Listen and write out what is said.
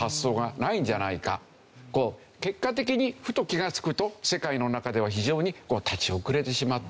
結果的にふと気がつくと世界の中では非常に立ち遅れてしまった。